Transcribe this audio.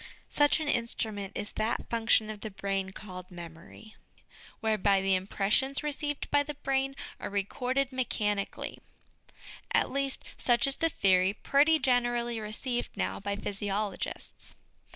Such an instrument is that function of the brain called memory, whereby the impressions received by the brain are recorded mechanically at least, such is the theory pretty generally received now by physiologists.